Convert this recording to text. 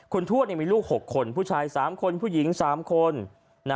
คุณทวดมีลูก๖คนผู้ชาย๓คนผู้หญิง๓คน